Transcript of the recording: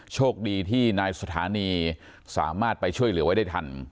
โชคดีที่นายสถานีสามารถไปช่วยเหลือไว้ได้ทัน